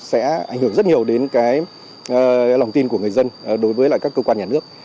sẽ ảnh hưởng rất nhiều đến lòng tin của người dân đối với các cơ quan nhà nước